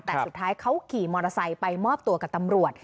แต่สุดท้ายเขาขี่มอเตอร์ไซค์ไปมอบตัวกับตำรวจ